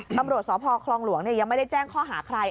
ตำรวจสพคลองหลวงยังไม่ได้แจ้งข้อหาใคร